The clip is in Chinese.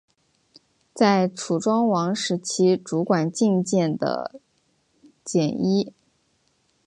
在楚庄王时期任主管进谏的箴尹。